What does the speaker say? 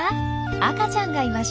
赤ちゃんがいました。